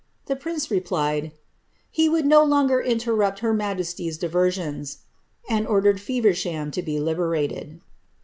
The prince replied, ^ he wonld ds longer interrupt her majesty^s diversions," and ordered Feversham to bi Lberated.'